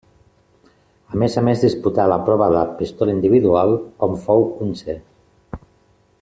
A més a més disputà la prova de pistola individual, on fou onzè.